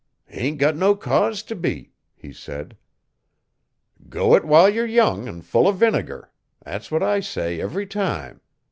'Hain't got no cause t' be,' he said. 'Go it while ye're young 'n full 'o vinegar! That's what I say every time.